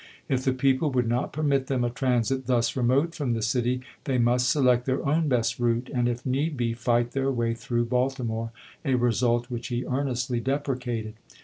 If the people would not permit them a transit thus remote from the city, they must select their own best route, and, if need be, fight their way through Baltimore, a result which he earnestly deprecated.